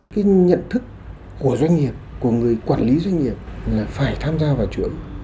cái nhận thức của doanh nghiệp của người quản lý doanh nghiệp là phải tham gia vào chuỗi